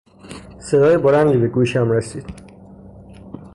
صدای بلندی به گوشم رسید.